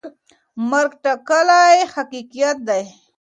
مرګ ټاکلی حقیقت دی.